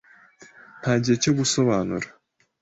Nta gihe cyo gusobanura.